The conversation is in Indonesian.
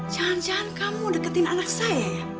jangan jangan kamu deketin anak saya ya